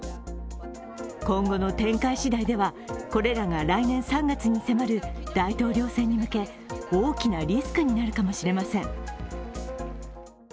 今後の展開しだいではこれらが来年３月に迫る大統領選に向け大きなリスクになるかもしれません。